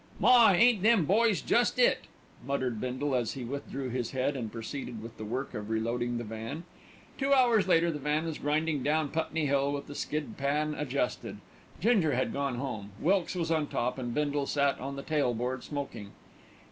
"My! ain't them boys jest 'It,'" muttered Bindle as he withdrew his head and proceeded with the work of reloading the van. Two hours later the van was grinding down Putney Hill with the skid pan adjusted. Ginger had gone home, Wilkes was on top, and Bindle sat on the tail board smoking.